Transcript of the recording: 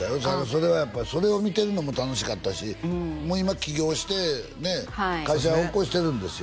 それはやっぱそれを見てるのも楽しかったしもう今起業してね会社おこしてるんですよ